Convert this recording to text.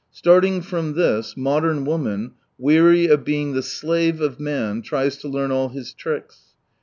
Starting from this, modern woman, weary, of being the slave of many tries to learn all his tricks.